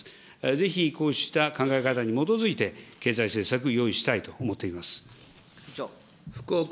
ぜひこうした考え方に基づいて、経済政策、用意したいと思ってい福岡